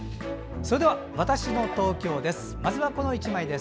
それでは「＃わたしの東京」です。